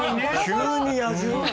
急に野獣。